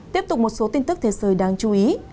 tiếp tục một số tin tức thế giới đáng chú ý